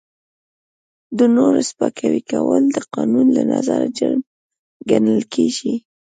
د نورو سپکاوی کول د قانون له نظره جرم ګڼل کیږي.